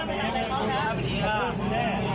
อย่าเล็กทีกว่า